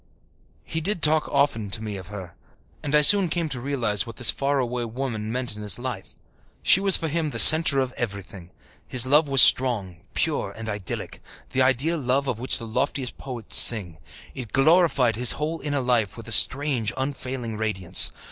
He did talk often to me of her, and I soon came to realize what this far away woman meant in his life. She was for him the centre of everything. His love was strong, pure, and idyllic the ideal love of which the loftiest poets sing. It glorified his whole inner life with a strange, unfailing radiance.